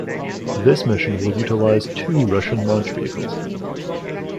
This mission will utilize two Russian launch vehicles.